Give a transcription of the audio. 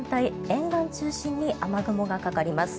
沿岸中心に雨雲がかかります。